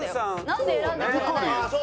なんで選んでくれないの？